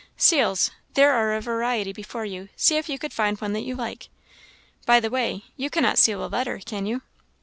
"Seals! There are a variety before you; see if you can find one that you like. By the way, you cannot seal a letter, can you?"